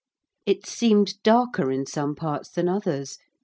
It seemed darker in some parts than others.